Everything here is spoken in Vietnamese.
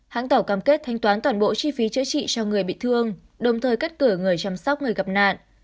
hãng tàu cam kết thanh toán toàn bộ chi phí chữa trị cho người bị thương đồng thời cắt cử người chăm sóc người gặp nạn